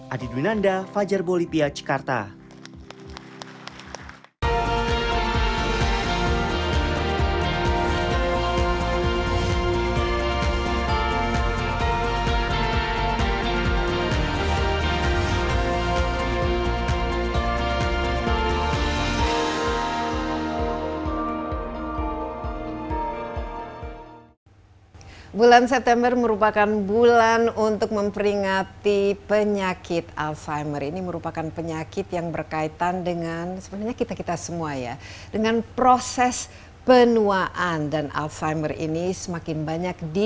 adi dwi nanda fajar bolivia jakarta